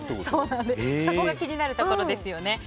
そこが気になるところですよね。